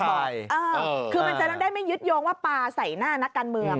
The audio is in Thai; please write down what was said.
คือมันจะต้องได้ไม่ยึดโยงว่าปลาใส่หน้านักการเมือง